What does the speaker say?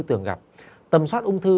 bước ba tầm soát ung thư